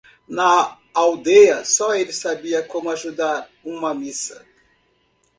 Na aldeia, só ele sabia como ajudar uma missa.